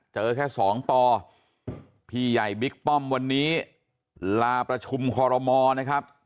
เจอแค่สองปอพี่ใหญ่บิ๊กป้อมวันนี้ลาประชุมคอรมอนะครับ